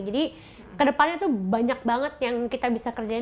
jadi kedepannya tuh banyak banget yang kita bisa kerjain